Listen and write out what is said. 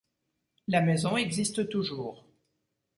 La maison existe toujours.